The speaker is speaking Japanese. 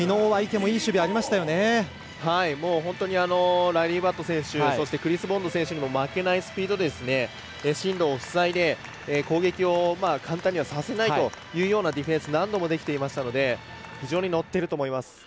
もう本当にライリー・バット選手そしてクリス・ボンド選手にも負けないスピードで進路を塞いで、攻撃を簡単にはさせないというようなディフェンス何度もできていましたので非常に乗っていると思います。